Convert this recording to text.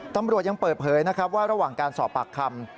ตำรวจยังเปิดเผยนะครับว่าระหว่างการสอบปากคำ